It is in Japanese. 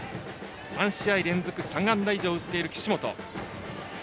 ３試合連続３安打以上打っている岸本。